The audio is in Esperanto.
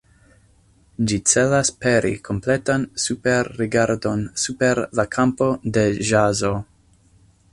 Ĝi celas peri kompletan superrigardon super la kampo de ĵazo.